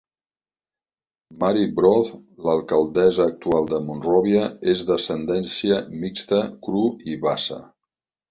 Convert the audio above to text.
Mary Broh, l'alcaldessa actual de Monrovia, és d'ascendència mixta kru i bassa.